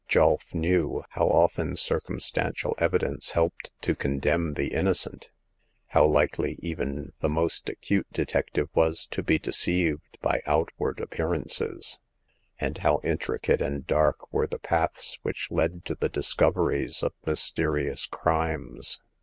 Julf knew how often circumstantial evidence helped to condemn the innocent ; how likely even the most acute detective was to be deceived by out ward appearances ; and how intricate and dark were the paths which led to the discoveries of mysterious crimes.